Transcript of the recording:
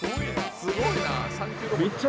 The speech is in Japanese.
すごいな。